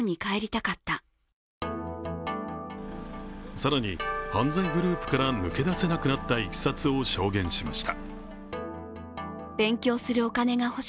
更に、犯罪グループから抜け出せなくなったいきさつを証言しました。